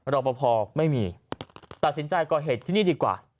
รอปภไม่มีตัดสินใจก่อเหตุที่นี่ดีกว่า